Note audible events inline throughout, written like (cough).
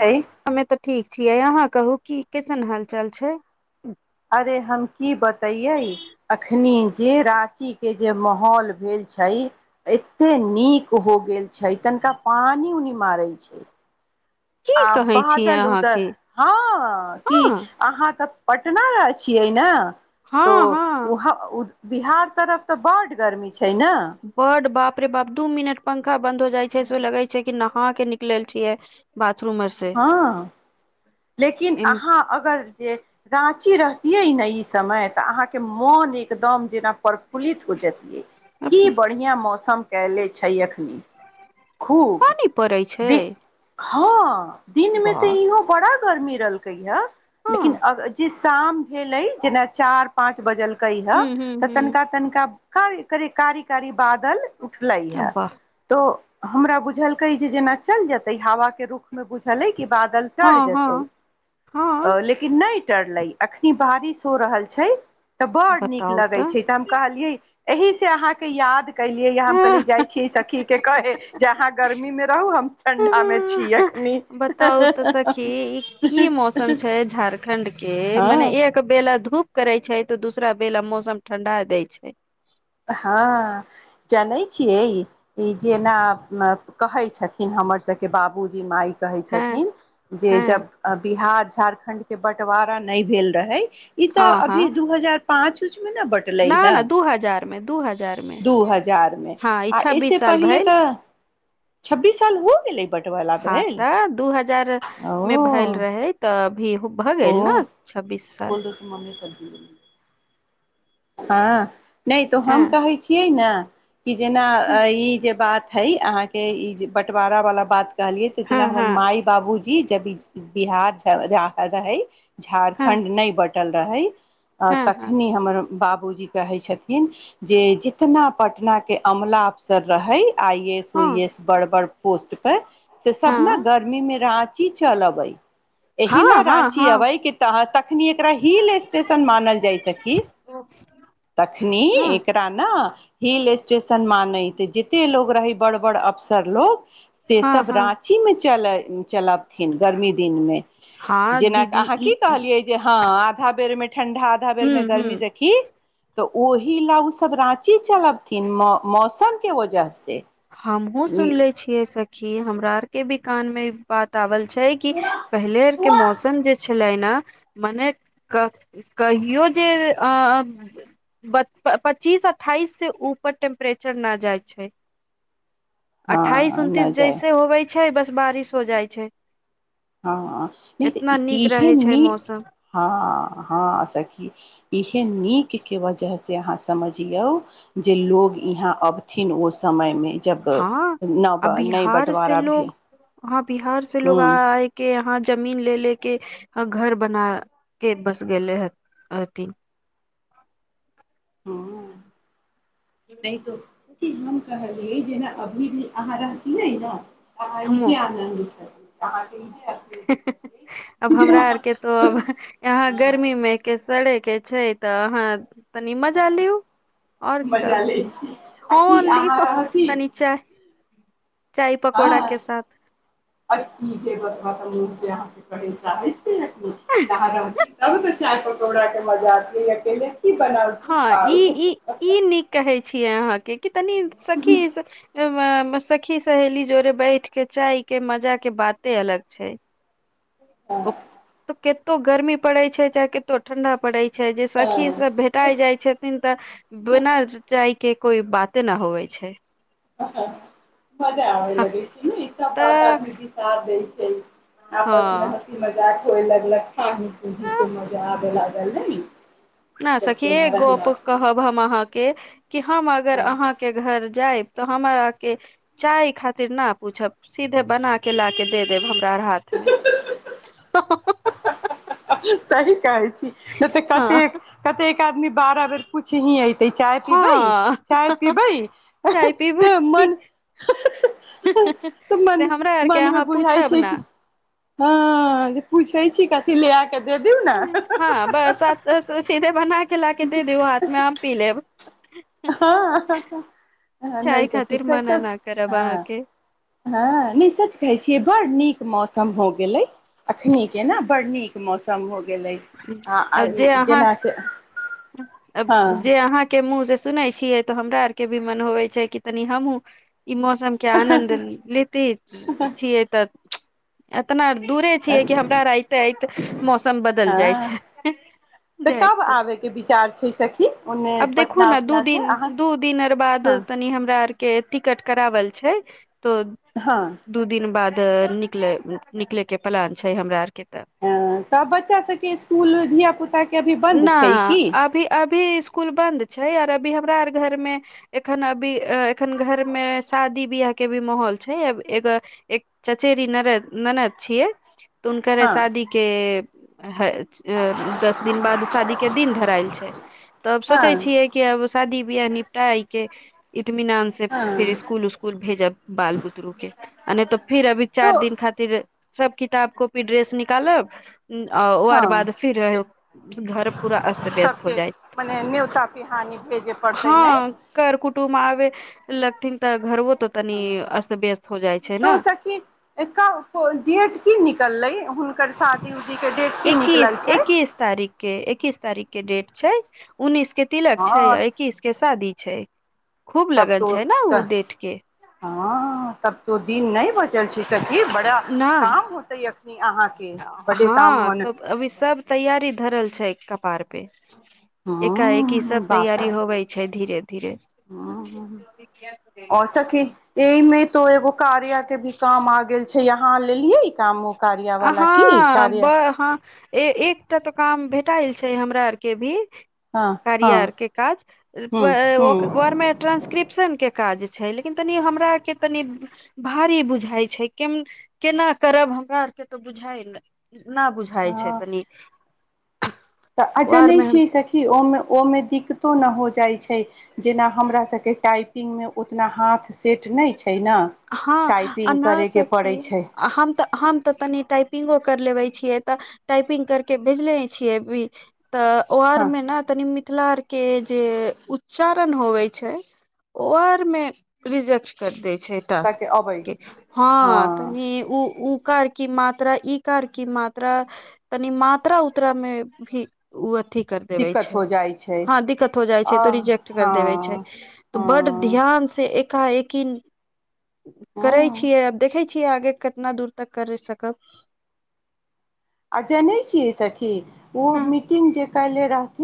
अरे हमे तऽ ठीक छियै अहाँ कहु की कैसन हालचाल छै अरे हम की बतैये अखनी जे राँची के जे माहौल भेल छै एते नीक हो गेल छै तनिका पानि उनि मारै छै की आ कहै छियै बादल उधर अहाँके हँ कि हँ अहाँ त पटना रहे छियै न तऽ हँ हँ वहां उ बिहार तरफ तऽ बड गर्मी छै छैना बड बाप रे बाप दू मिनट पंखा बन्द हो जाइ छै से लगे छै कि नहा के निकलल छियै बा हँ लेकिन अहाँ अगर जे रांची रहतियैन ई समय तऽ अहां मोन एकदम जेना प्रफुल्लित हो जतिए की बढ़िया मौसम कयले छै अख न खूब पानी पड़ै छै दि हँ दिन में वाह तऽ इहो बड़त गर्मी रहलकै हा हू लेकिन अग जिस शाम भेल जेना चार पांच बजल कै है हू तऽ हू तनिका तनिका क कर कारी कारी बादल उठलै है वाह तो हमरा बुझलकै जे जेना चल जेते हवा के रूख में बुझ भलै के बादल डर हँ जेतै हँ हँ ओ लेकिन नहि डरलै अखनी बारिश हो रहल छै तऽ बड़ नीक लगै छै तऽ हम कहलियै एहि ते अहाँके याद कैलियै या हम कहलीयै जाइ छीयै सखी के कहे जे अहाँ गर्मीमे रहु हम ठंडामे छी अखनी बताउ तऽ सखी ई की मौसम छै झारखंड के मने हँ एक बेला धूप करै छै तऽ दूसरा बेला मौसम ठण्डा दै छै हँ जनै छियै ई जेना कहै छथिन हमरसभके बाबूजी मााय कहै हँ छथिन जे हँ जब बिहार झारखण्डके बँटवारा नहि भेल रहै ई हँ तऽ हँ अभी दू हजार पाँच किछमे न बटले न हए न दू हजार मे दू हजार मे दू हजारमे हँ ई आ एहिसँ छब्बीस साल पहिले भेल त छब्बीस साल होय गेलै बँटवाला हँ भेल तऽ दू हजार अओ भ गेल ने छब्बीस साल मम्मी सब्जी बनेलकै। हँ नइ तो हँ हम कहै छियै ने (inaudible) कि जेना हँ ई जे बात हइ अहाँके ई जे बँटबारा बला बात कहलियै त हँ जेना हमर हँ मााय बाबू जी जब बिहार रहै हँ झारखंड नहि बँटल रहइ आ हँ हँ तखनि हमर बाबूजी कहै छथिन जे जितना पटना के अमला अफसर रहइ आइ एस उइ हँ एस बड़ बड़ पोस्टपर से सब न हँ गर्मी मे रात कि चल अबइ एहि हँ ला हँ राँची हँ अबै कि तह तखनि एकरा हिल स्टेशन मानल जाइ सखी तखनी हँ एकेरा न हं हिल स्टेशन मानैत जेते लोग रहै बड बड अफसर लोग हँ सेसभ हँ राँचीमे चल चल अबथिन गर्मी दिनमे हँ जेनाक दीदी अहाँ की ई ई कहलियै जे ह धा बेरमे ठंडा आधा बेर हूँ मे हूँ गर्मी से तऽ ओहि ला उ सब राँची चलबथिन मौसम के वजह से हम हूँ सुनले छियै सक (unintelligible) कि हमरा आर के भी कान मे इ बाता आवल छै कि पहिले आर के मौसम जे छै छलइ न मने कह कहियो जे आ आ पच्चीस अठाइस से ऊपर टेम्प्रेचर नहि जाइ छै अठाइस हँ न उनतीस जाय जैसे होबै छै बस बारिश हो जाइ छै हँ नहि एतना तऽ नीक इहे रहे छै निक मौसम हँ हँ सखी इ है के नीक के वजह से अहाँ समझियौ जे लोग इहाँ अबथिन ओ समय मे जब हँ न आ नई बिहार से बंटवारा भेल लोग हँ बिहार से लोग हूँ आ आए के यहाँ जमीन ले ले के घर बना के बस गेले ह हथिन हँ नहि तो हम कहलिय जेना अभी भी अहाँ रहतीयै न त हमो इहे आनन्द ह (unintelligible) अब हमरा आर के तो अब यहाँ गर्मी हँ मे के सड़क के छै तऽ अहाँ तनी मजा लिऔ आओर का मजा लै छी आ ह की अहाँ लिऔ तनी चाय चाय हां पकौड़ा के साथ (unintelligible) करे चाहै छै हा आहारहथि त न चाय प (unintelligible) (unintelligible) हँ ई ई ई नीक कहै छी ऐ आहाँके की तनी सखी सखी सहेली जोड़े बैठ के चाय के मजा के बाते अलग छै तऽ ह कतो गर्मी पड़े छै चाहे कतो ठंडा पड़े छै छै जे सखी सब भेटाय जाय छथिन तऽ बिना चाय के कोइ बाते न होैबै छै मजा आबय हँ लगै छै ने ई सब बात तऽ आदमी के साथ दैछै दै आपसमे हँ हँसी मजाक होए लगलक खानी पीनी के मजा आबे लागल नै न सखी एक गोप कहब हम अहाँ के कि हम अगर अहाँके घर जायब तऽ हमरा के चाय खातिर न पूछब सीधे बना के ला के दे देब हम आर हाथमे सही कहै छी नै तऽ हँ कतेक कतेक आदमी बारह बेर पुछही ऐतै चाय पीबै हँ चाय पीबै चाय पीबै त मन त से मन हमरा आरके मनमे अहाँ पूछब बुझाइछै ने कि हं जे पूछै छी पी लेबाक हँ बस आ सीधे बना क ला के दे दियौ हाथ मे हम पी लेब हं नहि चाय सखी खातिर छै मना सच न करब हं अहाँके हं नै सच कहै छियै बड़ नीक मौसम हो गेलै अखनी के न बड़ नीक मौसम हो गेलै आ आब जे अहाँ जेना से हँ हँ जे अहाँके मुँह से सुनै छियै तऽ हमरा आरके भी मन होबइ छै कि तनी हमहूं ई मौसम के आनंद लेते छियै तऽ एतना दूरे छीये कि हमरा और अइते आइत मौसम बदल जाई छै तऽ कब जायत आबयके विचार छै सखी ओन्ने अब देखूं पटना न दु उटना दिन से अहाँ दु दिन आर बाद हँ तनी हमरा आर के टिकट कराबल छै त हँ दु दिन बाद त निकललै निकलै के प्लान छै हमरा आर हां ता बच्चा स भ स्कूल धिया पुताके अभी बन्द ना छै की अभी अभी स्कुल बंद छै आर अभी हमरा आर घरमे एखन अभी एखन घरमे शादी बियाह के भी माहौल छै अब एगो एक चचेरी नरद ननद छियै तऽ हुनकरे हँ शादीेके ह ए दस दिन बाद शादी के दिन धरायल छै तब सोचै हँ छियै कि आब शादी बियाह निपटाइके इतमिनान से फिर हँ स्कूल उसकुल भेजब बाल बुतरूके अ नहि तऽ फिर अभी तो चार दिन खातिर सब किताब कॉपी ड्रेस निकालब आ ओ आर हँ बाद फिर घर पूरा अस्त व्यस्त हो सबके जायत मने न्योता पिहानी भेजे पड़तै ने हँ कर कुटुमब आबे लगथिन त घर त सखी (unintelligible) डेट की निकलै हुनकर शादी उदी के डेट की निकलल एकीस छै एकीस तारीख के एकीस तारीख के डेट छै उन्नीस के तिलक छै हँ आ अक्कीस के शादी छै खूब तब लगन तो छै ने ओ तऽ डेट के हँ तब तो दिन नहि बचल छै सखी बड़ा न काम होतै य हँ तऽ अभी सब तैयारी धरल छै कप आर पे एकाएकि सब तैयारी होवे छै धीरे धीरे ह आओ सखी एहिमे तो एगो कार्या के भी काम आ गेल छै यहां लेलिये इ काम कार्या वाला की हँ ब कार्या हँ ए एकटा तऽ काम भेटाल छै हमरा आर के भी हँ हँ कारियर के काज हूं हूं वर्मे ट्रान्सक्रिप्शन के काज छै लेकिन तनि हमरार के तनि भारी बुझाइ छै के केना करब हमरा तऽ बुझाइल नहि बुझाइ छै हँ तनी तऽ आ जानै छियै सखी ओहिमे ओहिमे दिक्कतो नहि हो जाइ छै जेना हमरा सबके टाइपिंगमे ओतना हाथ सेट नहि छै ने हँ अ टाइपिंग ना करयके पड़ै सखी छै हम तऽ हम तऽ तनि टाइपिंगो कर लेबे छियै तऽ टाइपिंग करके भेजले छियै भी तऽ ओ हँ आरमे ने तनिमित मिथिला आर के जे उच्चारण होवे छै ओ आर मे रिजेक्ट कर देय छै के अबै हँ तनि उ उ कार की मात्रा ई कार की मात्रा तनि मात्रा उतरा मे भी अथी कर देबे दिक्कत छै हो जाइ छै हँ दिक्कत हो जाइ छै आ तो रिजेक्ट कर देबे छै हँ तऽ हँ बड ध्यान से एक एका एकिन करै हँ छियै आब देखै छिय कि आगे कितना दूर तक कर सकब आ जानै छियै सखी ओ हँ मीटिंग जे काल्हिे रख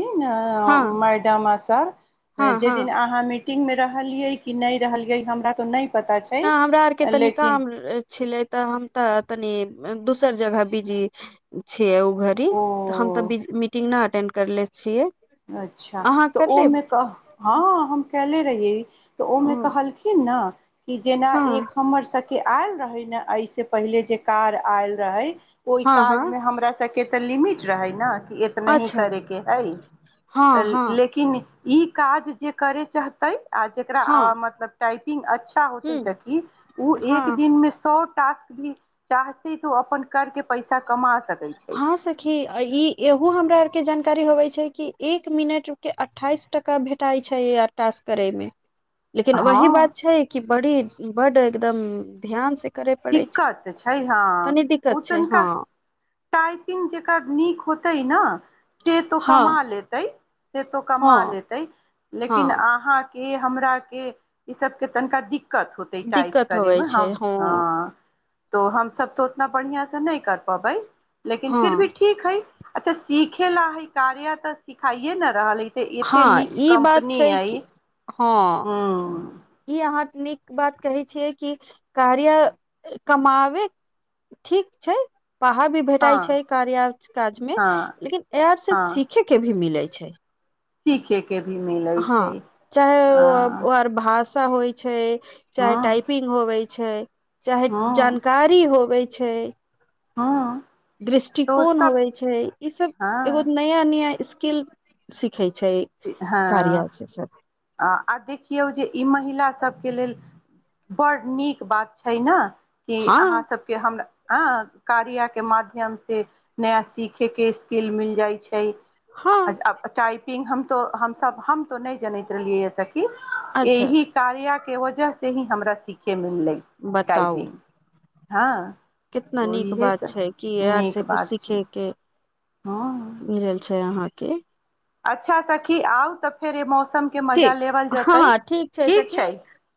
हँ मैडम अ सर हँ हँ जेदिन अ मिटिंग मे रहलियै की नहि रहलिये हमरा तऽ नहि पता छै नहि हमरा आरके तनी लेकिन काम छलै तऽ हम तऽ तनी दोसर जगह बिजी ओ घड़ी ओ त हम त मीटिंग अटेंड करले छियै अच्छा अहाँ तऽ कर ओमे लेब कह हँ हम केएले रहिए (inaudible) तऽ ओहिमे कहलखिन ने कि जेना हँ एक हमर सबके आयल रहै ने एहिसँ पहिले जे कार आयल रहै ओहि हँ काज हँ मे हमरा सब के तऽ लिमिट रहै ने इतना ही अच्छा करेके हइ हँ हँ लेकिन ई काज जे करे चाहतै आ जेकरा आ हँ मतलब टाइपिंग अच्छा होतै ह सखी ओ एक हँ दिनमे सब टास्क भी चाहते तो अपन करके पैसा कमा सकत हँ सखी ई एहू हमरा के जानकारी होबै छै कि एक मिनट के अठाइस टका भेटाइ छै टास करैमे लेकिन हँ वही बात छै कि बड़ी बड एकदम ध्यान से करे पड़ै दिक्कत छै हँ तनी दिक्कत ओ छै तनिका हँ टाइपिंग जेकर नीक होतै न से तो हँ कमा लेतै से तो हँ कमा लेतै लेकिन हँ अहाँ के हमरा के इ सब के तनिका दिक् दिक्कत होतै टाइप दिक्कत होवे करेमे छै हम हँ तो हम सब तो उतना बढ़िया से नहि कर प बै लेकिन हँ फिर भी ठीक है अच्छा सिखे ला हइ कार्या तऽ सिखाइए न रहल हइ तऽ इते हँ नीक ई बात कम्पनी छै आई कि हँ हुं ई अहाँ नीक बात कहै छियै कि कार्या कमाबे ठीक छै पाहा भी भेटाई हँ छै कार्या काज मे हँ लेकिन एप से सीखे के भी मिलै छै सीखेक हँ चाहे हँ ओ आर भास त' होइ छै चाहे हँ टाइपिंग होबै छै चाहे जानकारी होबै छै हँ तो दृष्टिकोण सभ होबै छै ईसभ एगो हँ नया नया स्क इल सिख हँ आ देखियौ जे ई महिला सब के लेल बड़ नीक बात छै न कि हँ अहाँसभके हमरा हँ कार्याके माध्यमसँ नया सीखैके स्किल मिल जाइ छै हँ (unintelligible) (unintelligible) तऽ हमस हम तऽ नहि जनैत रहलियै स खी अच्छा एहि कार्या के वजह से ही हमरा सीखे मे मिललै बताउ टाइपिंग हँ कितना तो नीक बात इएहसभ छै कि आर नीक से कुछ बात छै सिखै के हँ मिलल छै अहाँ के अच्छा सखी आउ त फेर ऐ मौसम ठीक हँ हँ ठीक छै सखी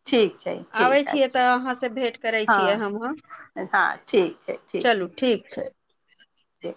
ठीक छै आबै ठीक छियै अच्छा तऽ अहाँसँ भेट करै छियै हम हँ हँ ठीक चलू ठीक छै ते